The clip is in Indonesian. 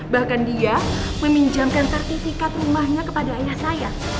bahkan dia meminjamkan sertifikat rumahnya kepada ayah saya